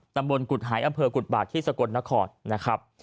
ตับบนกุธหายอามเปอร์กุธบาทที่สกรณครนะครับ